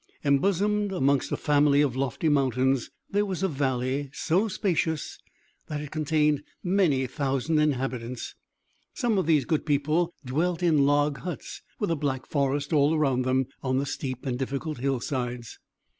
Embosomed amongst a family of lofty mountains, there was a valley so spacious that It contained many thousand inhabitants. Some of these good people dwelt in log huts, with the black forest all around them, on the steep and difficult hillsides.